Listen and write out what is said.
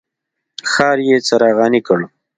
ښار یې څراغاني کړ.